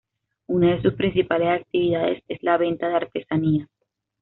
Una de sus principales actividades es la venta de artesanías.